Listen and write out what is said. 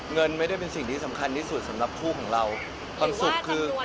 เงินไม่ได้เป็นสิ่งที่สำคัญที่สุดสำหรับคู่ของเราความสุขคือ